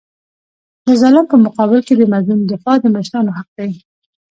د ظالم په مقابل کي د مظلوم دفاع د مشرانو حق دی.